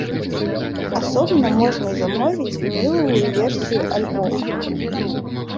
Асобна можна замовіць вінілавую версію альбома.